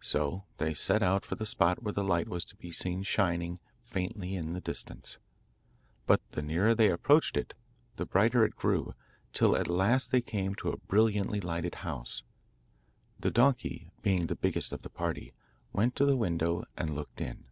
So they set out for the spot where the light was to be seen shining faintly in the distance, but the nearer they approached it the brighter it grew, till at last they came to a brilliantly lighted house. The donkey being the biggest of the party, went to the window and looked in.